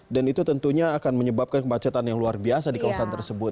dan itu tentunya akan menyebabkan kemacetan yang luar biasa di kawasan tersebut